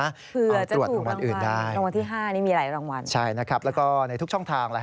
เอาตรวจรางวัลอื่นได้นะครับแล้วก็ในทุกช่องทางนะฮะ